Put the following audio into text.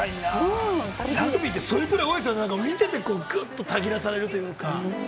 ラグビーって、そういう方多いですよね、見ててたぎらせるというか。